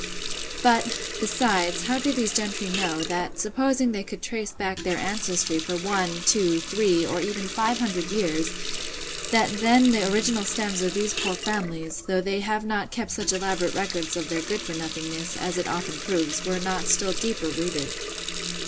But, besides, how do these gentry know, that, supposing they could trace back their ancestry for one, two, three, or even five hundred years, that then the original stems of these poor families, though they have not kept such elaborate records of their good for nothingness, as it often proves, were not still deeper rooted?